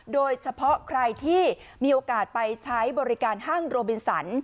โดยเฉพาะใครที่มีโอกาสไปใช้บริการห้างโรบินสัน